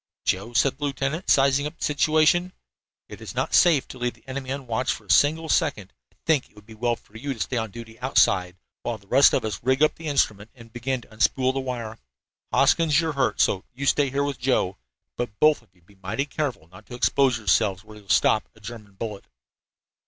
"Joe," said the lieutenant, sizing up the situation, "it is not safe to leave the enemy unwatched for a single second. I think it would be well for you to stay on duty outside, while the rest of us rig up the instrument and begin to unspool the wire. Hoskins, you're hurt, so you stay here with Joe. But both of you be mighty careful not to expose yourselves where you'll stop a German bullet."